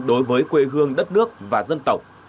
đối với quê hương đất nước và dân tộc